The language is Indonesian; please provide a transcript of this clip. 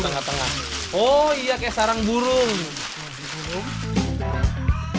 meski kantong tebal hingga mencapai angka puluhan juta rupiah